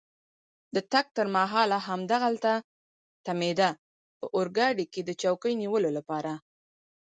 د تګ تر مهاله همدلته تمېده، په اورګاډي کې د چوکۍ نیولو لپاره.